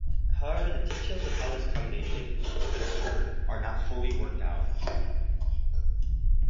However, the details of how this combination could occur are not fully worked out.